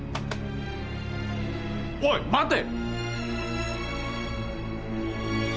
おい待て！